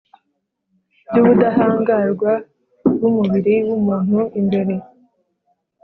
Byubudahangarwa bwumubiri wumuntu imbere